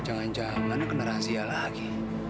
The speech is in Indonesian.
jangan jangan kena rahasia lagi